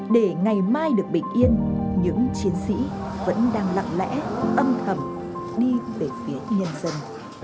để ngày mai được bình yên những chiến sĩ vẫn đang lặng lẽ âm thầm đi về phía nhân dân